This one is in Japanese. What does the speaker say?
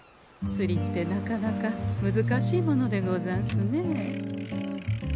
釣りってなかなか難しいものでござんすねえ。